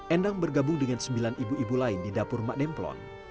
endang bergabung dengan sembilan ibu ibu lain di dapur mak demplon